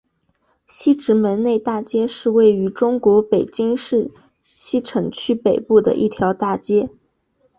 西直门内大街是位于中国北京市西城区北部的一条大街。